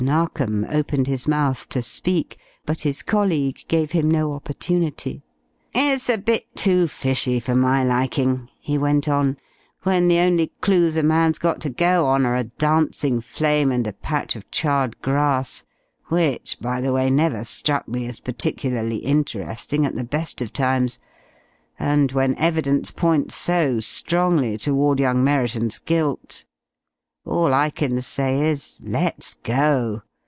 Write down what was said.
Narkom opened his mouth to speak, but his colleague gave him no opportunity. "It's a bit too fishy for my liking," he went on, "when the only clues a man's got to go on are a dancing flame and a patch of charred grass which, by the way, never struck me as particularly interesting at the best of times and when evidence points so strongly toward young Merriton's guilt. All I can say is, let's go.